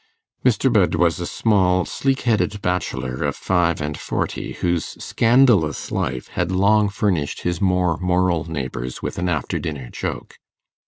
Mr. Budd was a small, sleek headed bachelor of five and forty, whose scandalous life had long furnished his more moral neighbours with an after dinner joke.